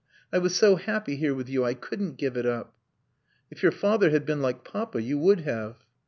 I was so happy here with you. I couldn't give it up." "If your father had been like Papa you would have."